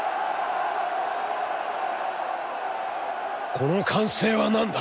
「この歓声はなんだ！